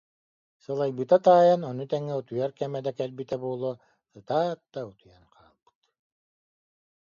Сылайбыта таайан, ону тэҥэ утуйар кэмэ да кэлбитэ буолуо, сытаат да, утуйан хаалбыт